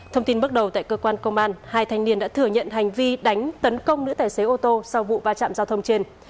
thông tin bước đầu tại cơ quan công an hai thanh niên đã thừa nhận hành vi đánh tấn công nữ tài xế ô tô sau vụ va chạm giao thông trên